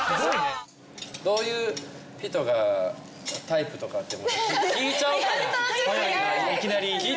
どういう人がタイプとかってもう聞いちゃおうかな早いなぁ聞い